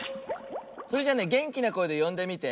それじゃあねげんきなこえでよんでみて。